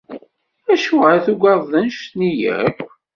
Acuɣer i tuggadeḍ anect-nni akk?